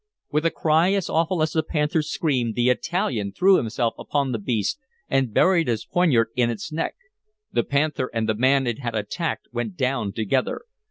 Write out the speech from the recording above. With a cry as awful as the panther's scream the Italian threw himself upon the beast and buried his poniard in its neck. The panther and the man it had attacked went down together.